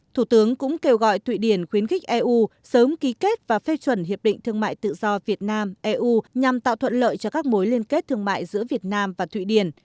thủ tướng cũng kêu gọi thụy điển khuyến khích eu sớm ký kết và phê chuẩn hiệp định thương mại tự do việt nam eu nhằm tạo thuận lợi cho các mối liên kết thương mại giữa việt nam và thụy điển